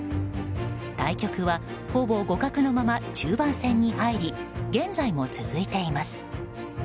対局は、ほぼ互角のまま中盤戦に入り現在も続いています。